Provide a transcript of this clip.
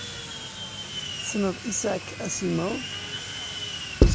Tessneḍ Isaac Asimov?